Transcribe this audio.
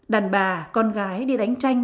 đàn bà con gái đi đánh tranh